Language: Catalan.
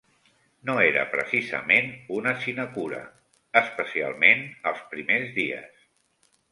No era precisament una sinecura, especialment els primers dies.